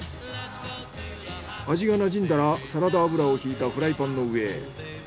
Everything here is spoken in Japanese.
味がなじんだらサラダ油をひいたフライパンの上へ。